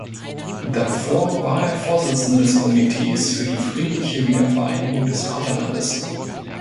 Davor war er Vorsitzender des Komitees für die friedliche Wiedervereinigung des Vaterlandes.